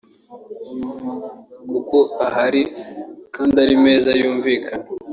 kuko ahari kandi ari meza yumvikana